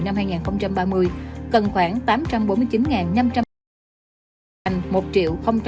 năm hai nghìn ba mươi cần khoảng tám trăm bốn mươi chín năm trăm linh căn nhà ở xã hội